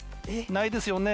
ないですよね？